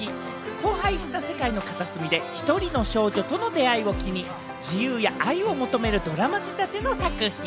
荒廃した世界の片隅で１人の少女との出会いを機に、自由や愛を求めるドラマ仕立ての作品。